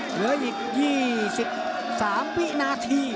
เหลืออีก๒๓วินาที